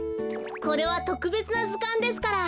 これはとくべつなずかんですから。